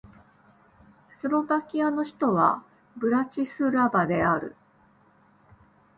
スロバキアの首都はブラチスラバである